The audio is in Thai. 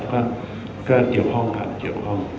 ก็เกี่ยวข้องครับเกี่ยวข้อง